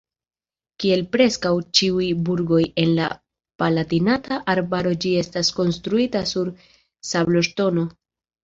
Kiel preskaŭ ĉiuj burgoj en la Palatinata Arbaro ĝi estas konstruita sur sabloŝtono.